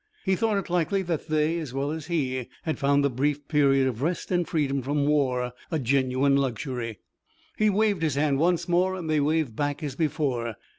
He thought it likely that they, as well as he, had found the brief period of rest and freedom from war a genuine luxury. He waved his hand once more, and they waved back as before.